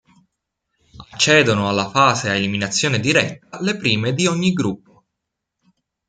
Accedono alla fase a eliminazione diretta le prime di ogni gruppo.